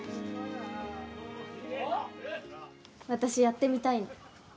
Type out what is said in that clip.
私、やってみたいの。